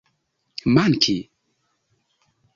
manki